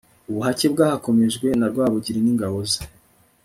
ubuhake bwahakomejwe na rwabugiri n'ingabo ze